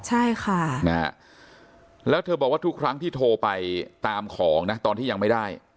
ใช่ค่ะนะฮะแล้วเธอบอกว่าทุกครั้งที่โทรไปตามของนะตอนที่ยังไม่ได้